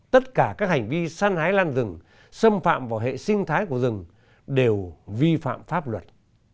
tất cả các hành vi săn hái lan rừng xâm phạm vào hệ sinh thái của rừng đều vi phạm pháp luật